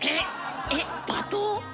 えっ罵倒？